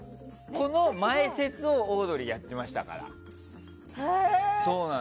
この前説をオードリーがやってましたから。